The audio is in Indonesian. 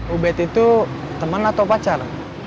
ubed itu teman atau pacar